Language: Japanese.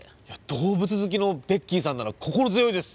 動物好きのベッキーさんなら心強いです。